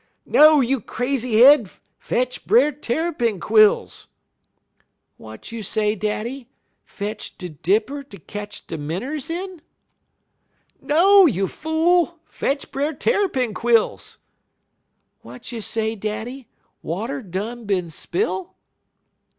"'No, you crazy head! Fetch Brer Tarrypin quills!' "'Wat you say, daddy? Fetch de dipper ter ketch de minners in?' "'No, you fool! Fetch Brer Tarrypin quills!' "'Wat you say, daddy? Water done been spill?'